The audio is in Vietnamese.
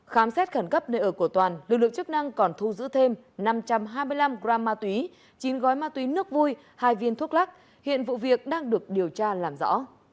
khám xét khẩn cấp nơi ở của toàn lực lượng chức năng còn thu giữ thêm năm trăm hai mươi năm gram ma túy chín gói ma túy nước vui hai viên thuốc lắc hiện vụ việc đang được điều tra làm rõ